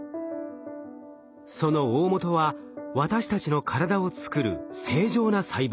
そのおおもとは私たちの体を作る正常な細胞。